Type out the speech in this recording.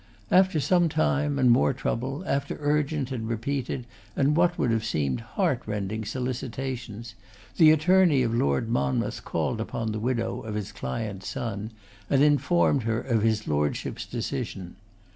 After some time, and more trouble, after urgent and repeated, and what would have seemed heart rending, solicitations, the attorney of Lord Monmouth called upon the widow of his client's son, and informed her of his Lordship's decision.